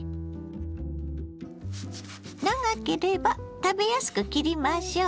長ければ食べやすく切りましょう。